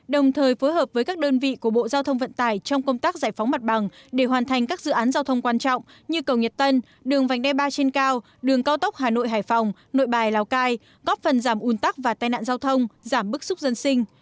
đồng thời phối hợp với các đơn vị của bộ giao thông vận tải trong công tác giải phóng mặt bằng để hoàn thành các dự án giao thông quan trọng như cầu nhật tân đường vành đai ba trên cao đường cao tốc hà nội hải phòng nội bài lào cai góp phần giảm un tắc và tai nạn giao thông giảm bức xúc dân sinh